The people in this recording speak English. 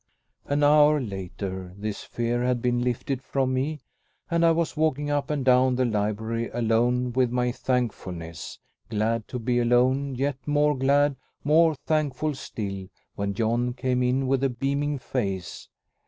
An hour later this fear had been lifted from me, and I was walking up and down the library alone with my thankfulness; glad to be alone, yet more glad, more thankful still, when John came in with a beaming face.